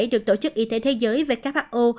được tổ chức y tế thế giới who